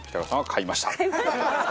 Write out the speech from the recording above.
買いました。